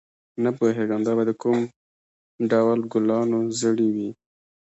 نه پوهېږم دا به د کوم ډول ګلانو زړي وي.